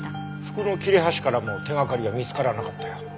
服の切れ端からも手がかりは見つからなかったよ。